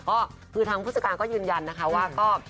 ก็คือทางผู้จัดการก็ยืนยันนะคะว่าก็